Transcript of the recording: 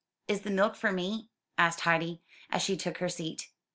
''Is the milk for me?" asked Heidi, as she took her seat.